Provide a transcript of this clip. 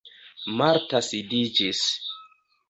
Marta sidiĝis.